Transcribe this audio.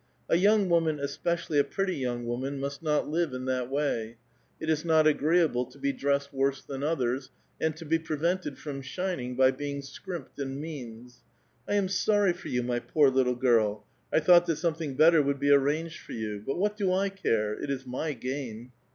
A young woman, especiall}' a pretty young woman, must not live in that way ; it is not agreeable to be dressed 'Worse than others, and to be prevented from shining by being scrimped in means. I am sorry for you, my poor little girl ; I thought that something better would be arranged for vou. But what do / care ? It is my gain.